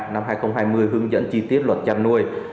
năm hai nghìn hai mươi hướng dẫn chi tiết luật chăn nuôi